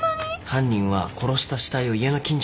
犯人は殺した死体を家の近所には埋めない。